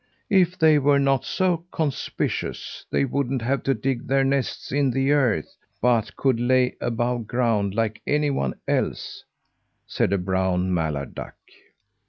"If they were not so conspicuous, they wouldn't have to dig their nests in the earth, but could lay above ground, like anyone else," said a brown mallard duck.